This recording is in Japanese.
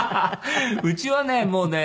うちはねもうね